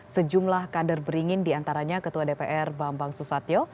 sejumlah kader beringin diantaranya ketua dpr bambang susatyo